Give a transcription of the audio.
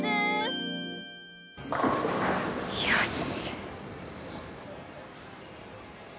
よし。